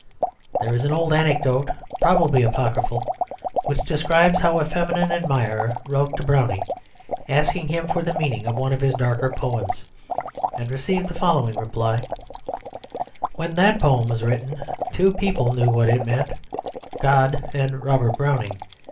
There is an old anecdote, probably apocryphal, which describes how a feminine admirer wrote to Browning asking him for the meaning of one of his darker poems, and received the following reply: "When that poem was written, two people knew what it meant God and Robert Browning.